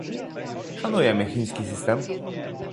Szanujemy chiński system